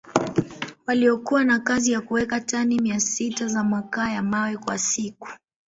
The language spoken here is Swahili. waliokuwa na kazi ya kuweka tani mia sita za makaa ya mawe kwa siku